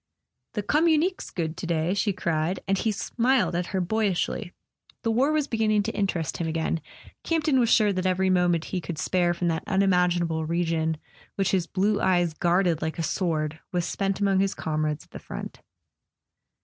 "The communique's good to day," she cried; , and he smiled at her boyishly. The war was beginning to interest him again: Campton was sure that every mo¬ ment he could spare from that unimaginable region which his blue eyes guarded like a sword was spent among his comrades at the front.